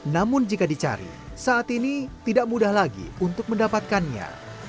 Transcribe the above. namun jika dicari saat ini tidak mudah lagi untuk mendapatkannya